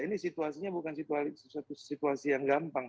ini situasinya bukan situasi yang gampang